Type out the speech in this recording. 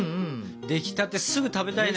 出来たてすぐ食べたいね。